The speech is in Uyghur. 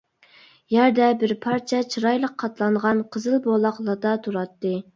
يەردە بىر پارچە چىرايلىق قاتلانغان قىزىل بولاق لاتا تۇراتتى.